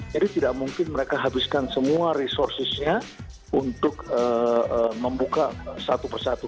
jadi tidak mungkin mereka habiskan semua resourcenya untuk membuka satu persatu